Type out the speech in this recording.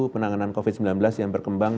penanganan covid sembilan belas yang berkembang